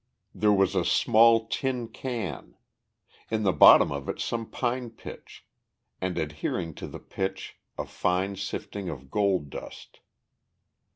There was a small tin can; in the bottom of it some pine pitch, and adhering to the pitch a fine sifting of gold dust.